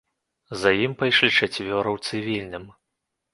За ім пайшлі чацвёра ў цывільным.